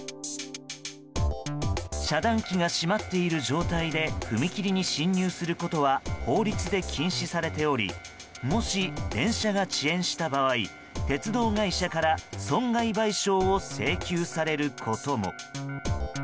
遮断機が締まっている状態で踏切に進入することは法律で禁止されておりもし電車が遅延した場合鉄道会社から損害賠償を請求されることも。